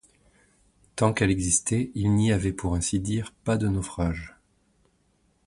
Tant qu’elle existait, il n’y avait, pour ainsi dire, pas de naufrage.